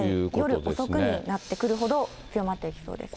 夜遅くになってくるほど、強まっていきそうです。